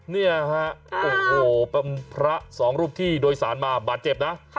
เนี่ยฮะโอ้โหเป็นพระสองรูปที่โดยสารมาบาดเจ็บนะ